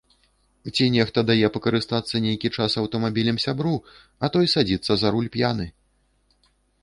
Ці нехта дае пакарыстацца нейкі час аўтамабілем сябру, а той садзіцца за руль п'яны.